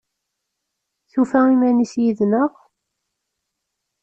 Tufa iman-is yid-neɣ?